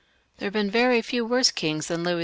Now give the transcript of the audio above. There have been very few worse kings than Louis XV.